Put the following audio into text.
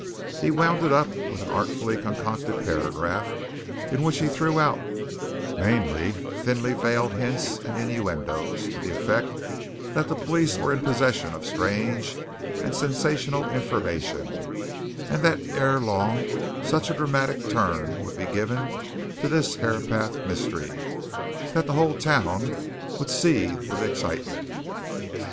He wound it up with an artfully concocted paragraph in which he threw out many thinly veiled hints and innuendoes to the effect that the police were in possession of strange and sensational information and that ere long such a dramatic turn would be given to this Herapath Mystery that the whole town would seethe with excitement.